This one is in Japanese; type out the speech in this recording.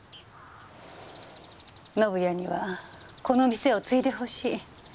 宣也にはこの店を継いでほしい。